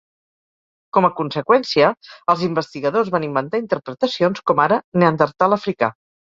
Com a conseqüència, els investigadors van inventar interpretacions com ara "neandertal africà".